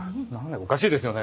おかしいですよね。